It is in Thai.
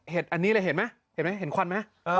เห็ดอันนี้เห็นไหมเห็นควันไหม